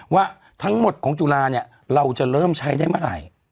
ว่าทั้งหมดของจุฬาเนี่ยเราจะเริ่มใช้ได้เมื่อไหร่